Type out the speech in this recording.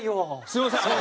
すみません。